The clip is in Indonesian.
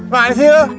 makan sih lu